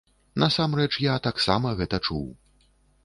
Насамрэч я таксама гэта чуў.